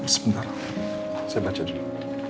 sebentar saya baca dulu